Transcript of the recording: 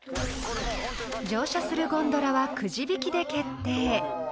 ［乗車するゴンドラはくじ引きで決定］